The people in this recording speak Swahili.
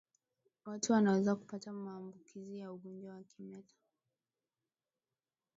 Watu wanaweza kupata maambukizi ya ugonjwa wa kimeta